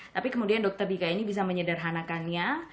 tapi kemudian dokter dika ini bisa menyederhanakannya